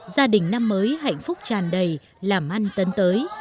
gia đình năm mới hạnh phúc tràn đầy làm ăn tấn tới